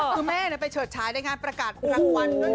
คือแม่ออกไปเฉิดชายทำงานประกาศทั้งวันนึง